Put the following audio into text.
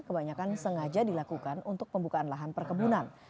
kebanyakan sengaja dilakukan untuk pembukaan lahan perkebunan